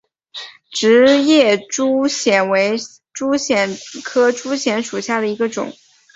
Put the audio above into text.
直叶珠藓为珠藓科珠藓属下的一个种。